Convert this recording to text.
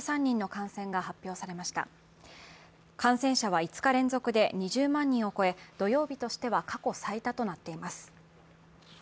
感染者は５日連続で２０万人を超え土曜日としては過去最多となっています。